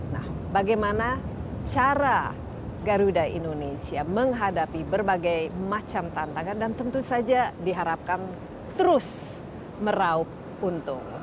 nah bagaimana cara garuda indonesia menghadapi berbagai macam tantangan dan tentu saja diharapkan terus meraup untung